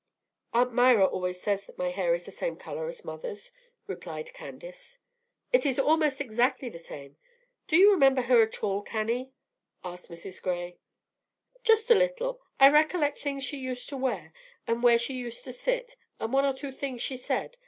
"Aunt Myra always says that my hair is the same color as mother's," replied Candace. "It is almost exactly the same. Do you remember her at all, Cannie?" asked Mrs. Gray. "Just a little. I recollect things she used to wear, and where she used to sit, and one or two things she said.